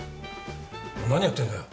何やってんだよ。